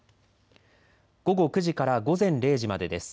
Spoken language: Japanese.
午後９時から午前０時までです。